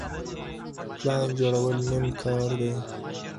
پلان جوړول نیم کار دی.